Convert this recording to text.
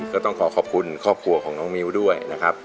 ก็ต้องขอขอบคุณครอบครัวของน้องมิ้วด้วยนะครับ